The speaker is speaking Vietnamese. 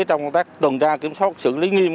trong các tuần đa kiểm soát xử lý nghiêm